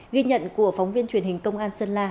ghi nhận của phóng viên truyền hình công an sơn la